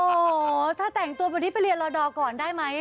โอ้โฮถ้าแต่งตัวเบอร์ดี้ไปเรียนรอดอลก่อนได้ไหมอ่ะ